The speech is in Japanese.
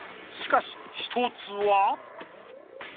［しかし１つは］